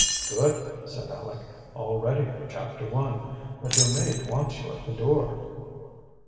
"Good!" said Aleck. "All ready for chapter one. But your maid wants you at the door."